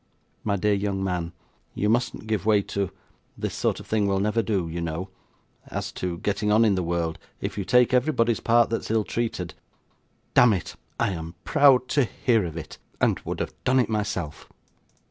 'My dear young man, you mustn't give way to this sort of thing will never do, you know as to getting on in the world, if you take everybody's part that's ill treated Damn it, I am proud to hear of it; and would have done it myself!